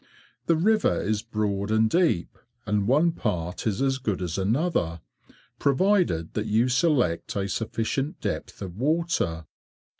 The river is broad and deep, and one part is as good as another, provided that you select a sufficient depth of water.